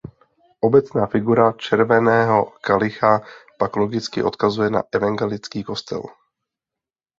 Obecná figura červeného kalicha pak logicky odkazuje na evangelický kostel.